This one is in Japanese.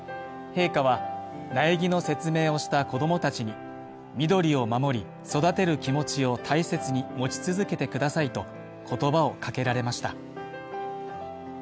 陛下は、苗木の説明をした子供たちに緑を守り、育てる気持ちを大切に持ち続けてくださいと言葉をかけられました。